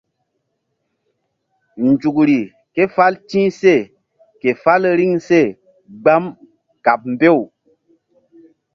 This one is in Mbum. Nzukri ké fál ti̧h seh ke fál riŋ seh gbam kaɓ mbew.